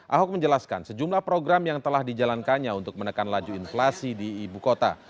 ahok menjelaskan sejumlah program yang telah dijalankannya untuk menekan laju inflasi di ibu kota